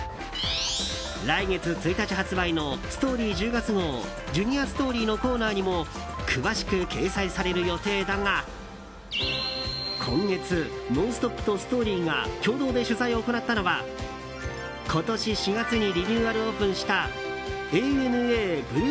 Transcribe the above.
来月１日発売の「ＳＴＯＲＹ１０月号」「ＪｕｎｉｏｒＳＴＯＲＹ」のコーナーにも詳しく掲載される予定だが今月、「ノンストップ！」と「ＳＴＯＲＹ」が共同で取材を行ったのは今年４月にリニューアルオープンしたＡＮＡＢｌｕｅＨａｎｇａｒＴｏｕｒ。